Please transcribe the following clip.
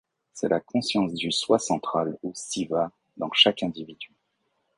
C'est la conscience du soi central ou Siva dans chaque individu.